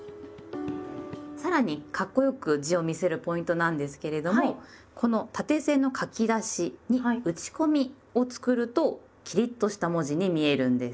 さらにかっこよく字を見せるポイントなんですけれどもこの縦線の書き出しに「打ち込み」を作るとキリッとした文字に見えるんです。